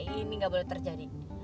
ini gak boleh terjadi